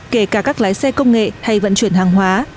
kể cả các lái xe công nghệ hay vận chuyển hàng hóa